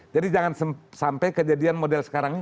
jadi jangan sampai kejadian model sekarang ini